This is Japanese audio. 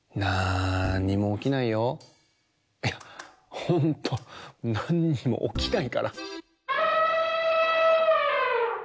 いやほんとなんにもおきないから。